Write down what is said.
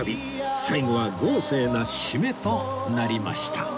最後は豪勢な締めとなりました